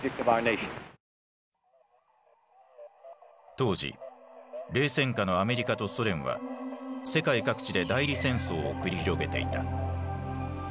当時冷戦下のアメリカとソ連は世界各地で代理戦争を繰り広げていた。